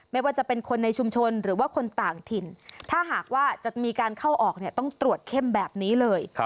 ไม่ว่าจะเป็นคนในชุมชนหรือว่าคนต่างถิ่นถ้าหากว่าจะมีการเข้าออกต้องตรวจเข้มแบบนี้เลย